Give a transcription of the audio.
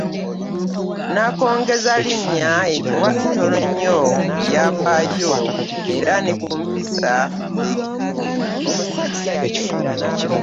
Nnakongezalinnya etuwa kitono nnyo ku byafaayo era ne kumpisa z’ekitundu.